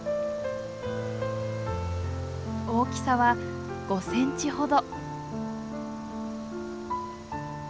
大きさは５センチほど。